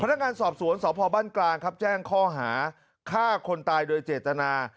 นักงานสอบสวนสพบ้านกลางครับแจ้งข้อหาฆ่าคนตายโดยเจตนา